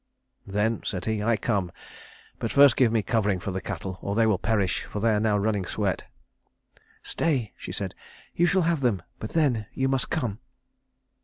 "Then," said he, "I come, but first give me covering for the cattle or they will perish, for they are now running sweat." "Stay," she said; "you shall have them; but then you must come."